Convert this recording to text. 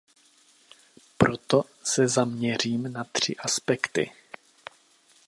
Proto se zaměřím na tři aspekty.